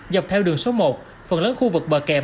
dọc theo đường số một phần lớn khu vực bờ kè